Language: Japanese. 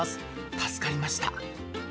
助かりました。